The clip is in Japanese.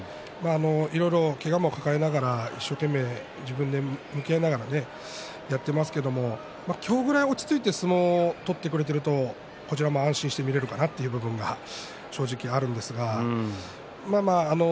いろいろ、けがも抱えながら一生懸命、自分で向き合いながらやっていますけれど今日ぐらい落ち着いて相撲を取ってくれているというこちらも安心して見られるかなという相撲が正直あるんですが。